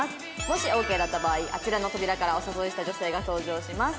もしオーケーだった場合あちらの扉からお誘いした女性が登場します。